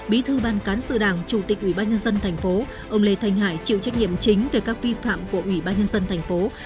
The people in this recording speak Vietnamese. bí thư ban cán sự đảng chủ tịch ủy ban nhân dân tp hcm ông lê thanh hải chịu trách nhiệm chính về các vi phạm của ủy ban nhân dân tp hcm